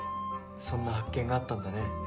そんな発見があったんだね。